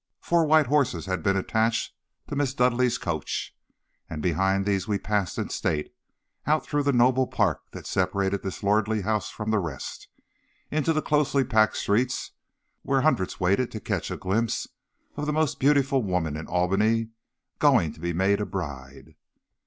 Four white horses had been attached to Miss Dudleigh's coach, and behind these we passed in state out through the noble park that separated this lordly house from the rest, into the closely packed streets, where hundreds waited to catch a glimpse of the most beautiful woman in Albany, going to be made a bride.